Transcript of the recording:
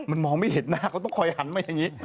มันมองไม่เห็นหน้าเขาต้องคอยหันมาอย่างนี้